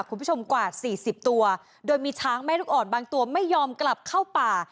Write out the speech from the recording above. กว่าสี่สิบตัวโดยมีช้างแม่ลูกอ่อนบางตัวไม่ยอมกลับเข้าป่า